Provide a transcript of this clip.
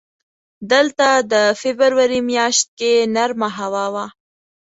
دلته د فبروري میاشت کې نرمه هوا وه.